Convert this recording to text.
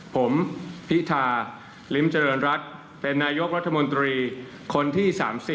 ผมพิธาลิ้มเจริญรัฐเป็นนายกรัฐมนตรีคนที่๓๐